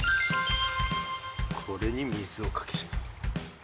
これに水をかける。